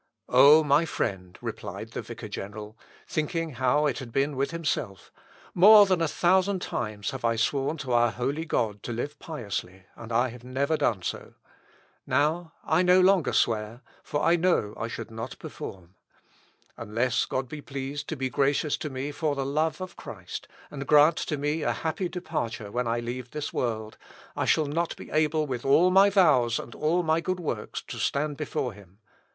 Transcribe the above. "O my friend," replied the vicar general, thinking how it had been with himself, "more than a thousand times have I sworn to our holy God to live piously, and I have never done so. Now I no longer swear; for I know I should not perform. Unless God be pleased to be gracious to me for the love of Christ, and to grant me a happy departure when I leave this world, I shall not be able with all my vows and all my good works to stand before him.